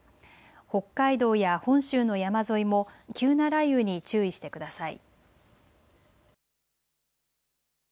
北海道や本州の山沿いも急な雷雨に注意してください。